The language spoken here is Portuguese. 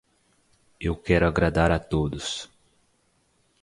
Eu quero agradar a todos.